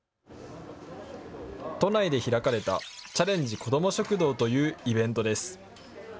都内で開かれたチャレンジこども食堂というイベントです。